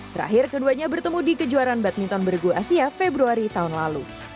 terakhir keduanya bertemu di kejuaraan badminton bergu asia februari tahun lalu